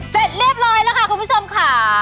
เสร็จเรียบร้อยแล้วค่ะคุณผู้ชมค่ะ